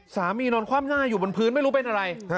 นอนคว่ำหน้าอยู่บนพื้นไม่รู้เป็นอะไร